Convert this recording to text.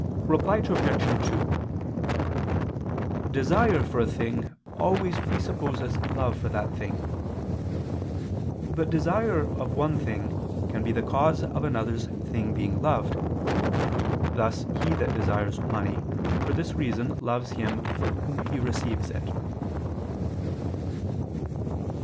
Reply Obj. 2: Desire for a thing always presupposes love for that thing. But desire of one thing can be the cause of another thing's being loved; thus he that desires money, for this reason loves him from whom he receives it.